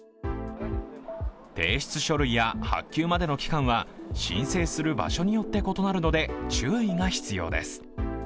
提出書類や発給までの期間は進制する場所によって異なるので注意が必要です。